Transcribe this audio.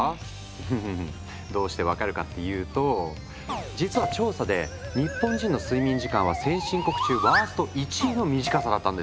うんうんうんどうして分かるかっていうと実は調査で日本人の睡眠時間は先進国中ワースト１位の短さだったんです。